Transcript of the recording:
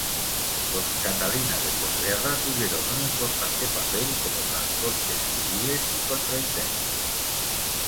Los Catalina de posguerra tuvieron un importante papel como transportes civiles y contra incendios.